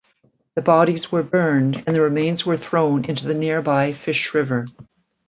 The bodies were burned and the remains were thrown into the nearby Fish River.